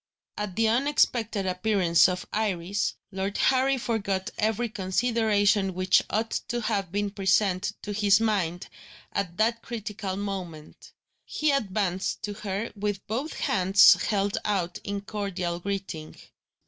At the unexpected appearance of Iris, Lord Harry forgot every consideration which ought to have been present to his mind, at that critical moment. He advanced to her with both hands held out in cordial greeting.